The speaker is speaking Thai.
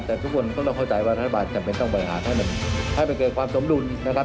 แต่ทุกคนก็ต้องเข้าใจว่าทัศนบาลจะเป็นของบริหารให้มันให้มีความสมรุนนะครับ